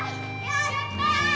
やった！